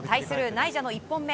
ナイジャの１本目。